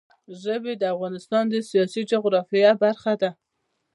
ژبې د افغانستان د سیاسي جغرافیه برخه ده.